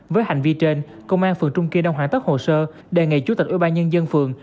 với hành vi trên công an phường trung kiên đang hoàn tất hồ sơ đề nghị chủ tịch ủy ban nhân dân phường